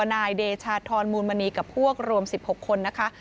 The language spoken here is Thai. นายเดชาธรมูลมณีกับพวกรวม๑๖คนนะคะ